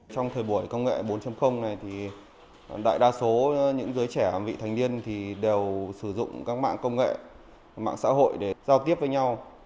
trong thời buổi công nghệ bốn này thì đại đa số những giới trẻ vị thành niên thì đều sử dụng các mạng công nghệ mạng xã hội để giao tiếp với nhau